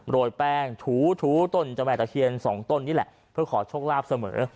โรยแป้งถูถูต้นเจ้าแม่ตะเคียนสองต้นนี่แหละเพื่อขอโชคลาภเสมอ